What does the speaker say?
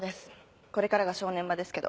これからが正念場ですけど。